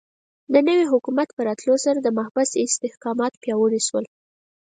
د نوي حکومت په راتلو سره د محبس استحکامات پیاوړي شول.